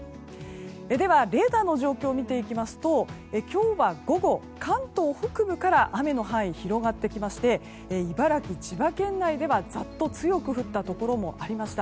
では、レーダーの状況を見ていきますと今日は午後、関東北部から雨の範囲広がってきまして茨城、千葉県内ではザッと強く降ったところもありました